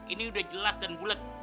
ini udah jelas dan bulet